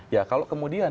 ya kalau kemudian